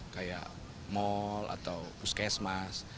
kayak mall atau puskesmas